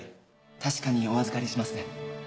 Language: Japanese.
確かにお預かりしますね